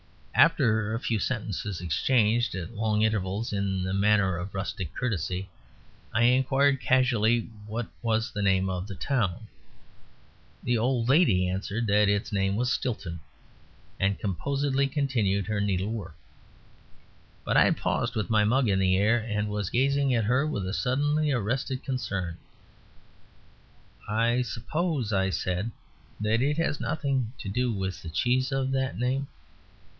After a few sentences exchanged at long intervals in the manner of rustic courtesy, I inquired casually what was the name of the town. The old lady answered that its name was Stilton, and composedly continued her needlework. But I had paused with my mug in air, and was gazing at her with a suddenly arrested concern. "I suppose," I said, "that it has nothing to do with the cheese of that name."